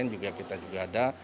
dan sekarang ada di zoo